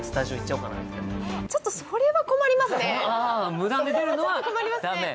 無断で出るのは駄目？